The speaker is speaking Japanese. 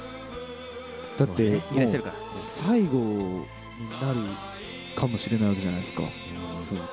だってもう、最後になるかもしれないわけじゃないですか。